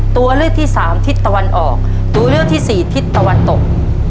ตัวเลือกที่สามทิศตะวันออกตัวเลือกที่สี่ทิศตะวันตก